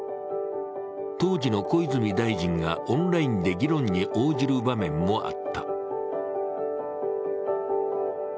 当時の小泉大臣がオンラインで議論に応じる場面もあった。